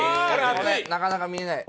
なかなか見られない。